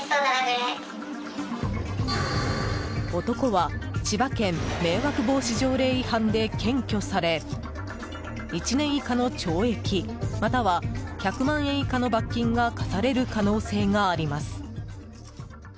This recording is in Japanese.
男は千葉県迷惑防止条例違反で検挙され１年以下の懲役または１００万円以下の罰金が科される可能性があります。